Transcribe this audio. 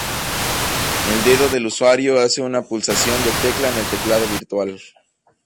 El dedo del usuario hace una pulsación de tecla en el teclado virtual.